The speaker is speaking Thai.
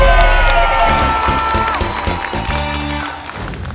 ถูก